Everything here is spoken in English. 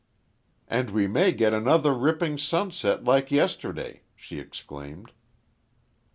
"And we may get another ripping sunset like yesterday," she exclaimed.